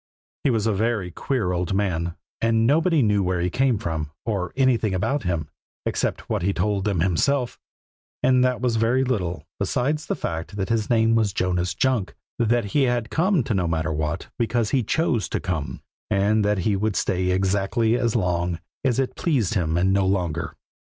He was a very queer old man, and nobody knew where he came from, or anything about him, except what he told them himself; and that was very little besides the fact that his name was Jonas Junk, that he had come to Nomatterwhat because he chose to come, and that he would stay exactly as long as it pleased him and no longer.